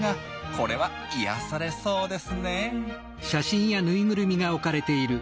これは癒やされそうですねえ。